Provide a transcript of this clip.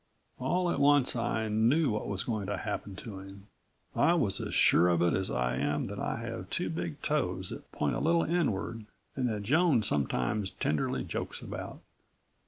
All at once, I knew what was going to happen to him. I was as sure of it as I am that I have two big toes that point a little inward and that Joan sometimes tenderly jokes about.